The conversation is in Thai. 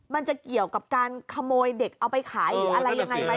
มันจะเกี่ยวกับการขโมยเด็กเอาไปขายหรืออะไรยังไงไหม